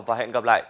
và hẹn gặp lại